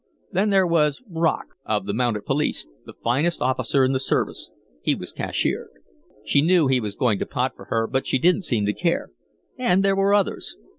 Then there was Rock, of the mounted police, the finest officer in the service. He was cashiered. She knew he was going to pot for her, but she didn't seem to care and there were others.